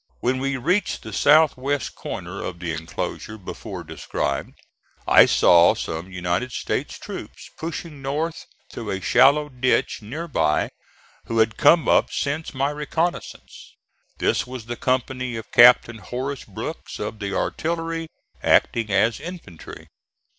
When we reached the south west corner of the enclosure before described, I saw some United States troops pushing north through a shallow ditch near by, who had come up since my reconnaissance. This was the company of Captain Horace Brooks, of the artillery, acting as infantry.